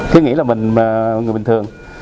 chứ nghĩ là mình người bình thường